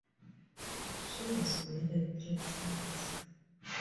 She was married three times.